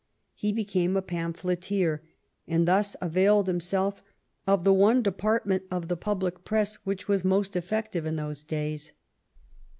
He became a pamphleteer, and thus availed himself of the one department of the public press which was most effective in those days.